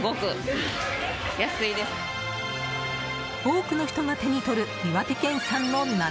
多くの人が手に取る岩手県産の夏